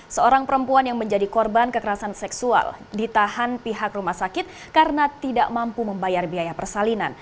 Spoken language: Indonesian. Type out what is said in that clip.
seorang perempuan yang menjadi korban kekerasan seksual ditahan pihak rumah sakit karena tidak mampu membayar biaya persalinan